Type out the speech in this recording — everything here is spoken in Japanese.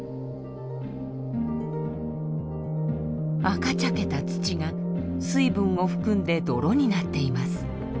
赤茶けた土が水分を含んで泥になっています。